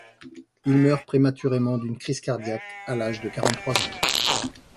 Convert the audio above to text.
Il meurt prématurément d’une crise cardiaque à l’âge de quarante-trois ans.